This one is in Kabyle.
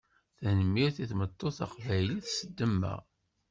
Tanemmirt i tmeṭṭut taqbaylit s demma.